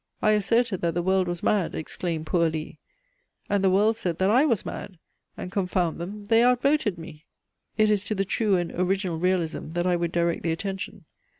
"I asserted that the world was mad," exclaimed poor Lee, "and the world said, that I was mad, and confound them, they outvoted me." It is to the true and original realism, that I would direct the attention.